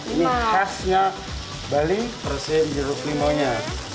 ini khasnya bali persi jeruk limaunya